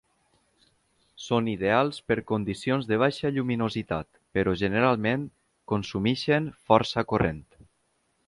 Són ideals per condicions de baixa lluminositat, però generalment consumeixen força corrent.